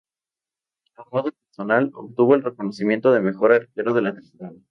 A modo personal obtuvo el reconocimiento de mejor arquero de la temporada.